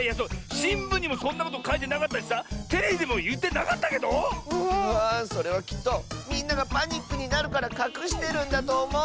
しんぶんにもそんなことかいてなかったしさテレビでもいってなかったけど⁉それはきっとみんながパニックになるからかくしてるんだとおもう。